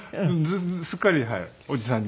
すっかりおじさんに。